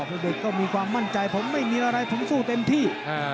เด็กก็มีความมั่นใจผมไม่มีอะไรผมสู้เต็มที่